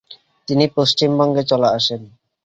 তিনি পশ্চিমবঙ্গে চলে আসেন।